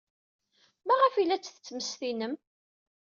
Maɣef ay la tt-tettmestinem?